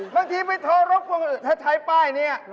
บางทีไปโทรศัพท์ถ้าใช้ป้ายนี้